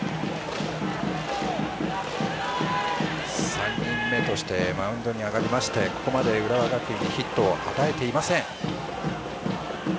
３人目としてマウンドに上がりましてここまで浦和学院にヒットを与えていません。